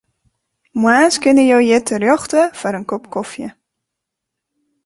Moarns kinne jo hjir terjochte foar in kop kofje.